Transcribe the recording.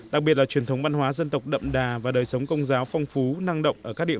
đặc biệt là truyền thống văn hóa dân tộc đậm đà và đời sống công giáo phong phú năng động ở các địa phương